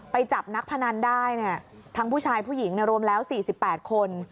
ไปจับนักพนันได้เนี่ยทั้งผู้ชายผู้หญิงเนี่ยรวมแล้วสี่สิบแปดคน